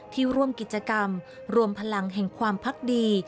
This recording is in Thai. ร่วมกิจกรรมรวมพลังแห่งความพักดี